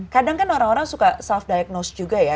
kadang kan orang orang suka self diagnose juga ya